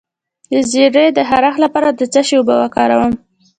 د زیړي د خارښ لپاره د څه شي اوبه وکاروم؟